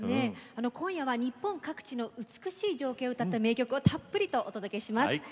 今夜は日本各地の美しい情景を歌った名曲をたっぷりとお届けします。